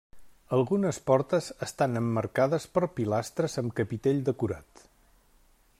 Algunes portes estan emmarcades per pilastres amb capitell decorat.